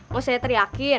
mau saya teriakin